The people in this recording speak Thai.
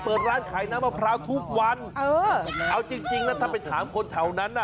เปิดร้านขายน้ำมะพร้าวทุกวันเออเอาจริงจริงนะถ้าไปถามคนแถวนั้นน่ะ